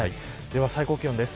では、最高気温です。